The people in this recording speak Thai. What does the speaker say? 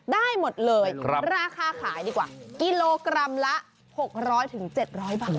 ได้หมดเลยราคาขายดีกว่ากิโลกรัมละ๖๐๐๗๐๐บาท